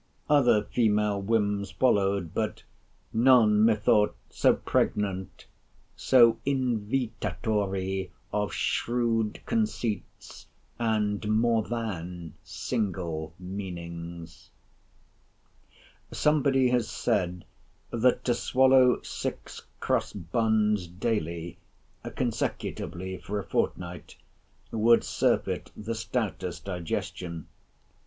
Other female whims followed, but none, methought, so pregnant, so invitatory of shrewd conceits, and more than single meanings. Somebody has said, that to swallow six cross buns daily consecutively for a fortnight would surfeit the stoutest digestion.